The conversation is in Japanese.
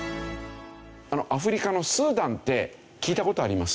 アフリカのスーダンって聞いた事あります？